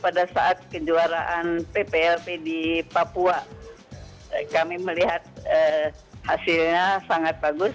pada saat kejuaraan pplp di papua kami melihat hasilnya sangat bagus